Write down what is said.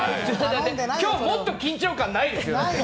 今日、もっと緊張感ないですよ。